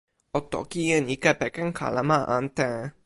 o toki e ni kepeken kalama ante.